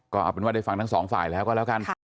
ก็เอาเป็นว่าได้ฟังทั้งสองฝ่ายแล้วก็แล้วกัน